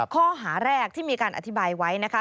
ข้อหาแรกที่มีการอธิบายไว้นะคะ